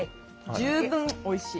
十分おいしい。